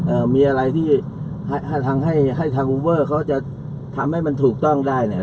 เอ่อมีอะไรที่ให้ทางให้ให้ทางอูเวอร์เขาจะทำให้มันถูกต้องได้เนี่ย